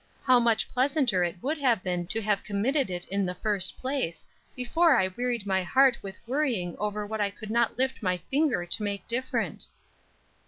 How much pleasanter it would have been to have committed it in the first place, before I wearied my heart with worrying over what I could not lift my finger to make different!"